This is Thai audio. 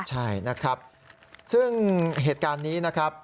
ใช่นะครับซึ่งเหตุการณ์นี้นะครับ